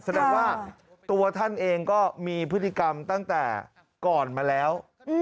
แสดงว่าตัวท่านเองก็มีพฤติกรรมตั้งแต่ก่อนมาแล้ว